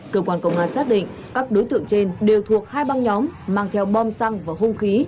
cơ quan công an xác định các đối tượng trên đều thuộc hai băng nhóm mang theo bom xăng và hung khí